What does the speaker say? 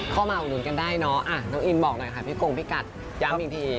มาอุดหนุนกันได้เนอะน้องอินบอกหน่อยค่ะพี่กงพี่กัดย้ำอีกที